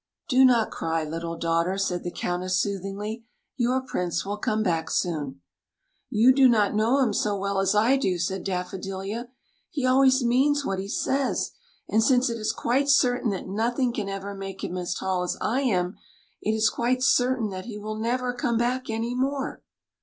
" Do not cry, little daughter," said the Count ess, soothingly ;" your Prince will come back soon." *'You do not know him so well as I do," said Daffodilia. " He always means what he says ; and since it is quite certain that nothing can ever make him as tall as I am, it is quite certain that he will never come back any more."